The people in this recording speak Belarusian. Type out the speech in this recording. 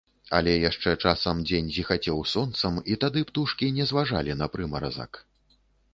Але яшчэ часам дзень зіхацеў сонцам, і тады птушкі не зважалі на прымаразак.